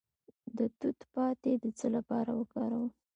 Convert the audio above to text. د توت پاڼې د څه لپاره وکاروم؟